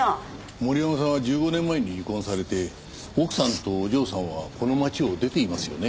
森山さんは１５年前に離婚されて奥さんとお嬢さんはこの町を出ていますよね？